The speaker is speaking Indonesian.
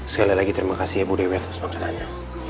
sekali lagi terima kasih ya bu dewi atas makanannya